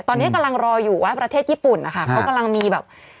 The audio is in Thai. ตอนนี้กำลังรออยู่ว่าประเทศญี่ปุ่นนะคะเขากำลังมีแบบ